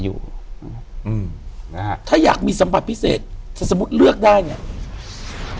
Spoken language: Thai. อยู่ที่แม่ศรีวิรัยิลครับ